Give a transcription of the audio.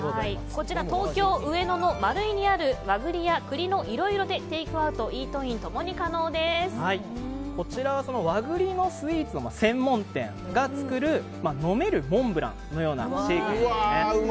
こちら、東京・上野のマルイにある和栗や栗のＩＲＯＩＲＯでテイクアウト、イートイン共にこちらは和栗のスイーツの専門店が作る飲めるモンブランのようなシェイクですね。